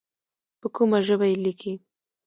په کومه ژبه یې لیکې.